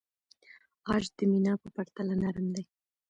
عاج د مینا په پرتله نرم دی.